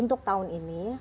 untuk tahun ini